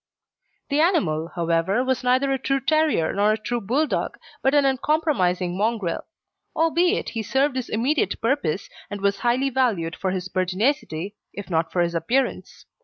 The animal, however, was neither a true terrier nor a true Bulldog, but an uncompromising mongrel; albeit he served his immediate purpose, and was highly valued for his pertinacity, if not for his appearance.